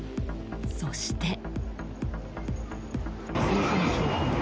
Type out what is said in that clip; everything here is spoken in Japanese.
そして。